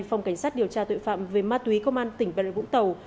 phòng cảnh sát điều tra tội phạm về ma túy công an tỉnh bà rịa vũng tàu